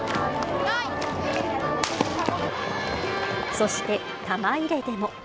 そして、玉入れでも。